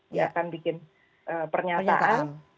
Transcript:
dia akan bikin pernyataan